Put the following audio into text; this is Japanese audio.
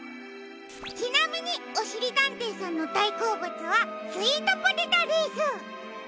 ちなみにおしりたんていさんのだいこうぶつはスイートポテトです。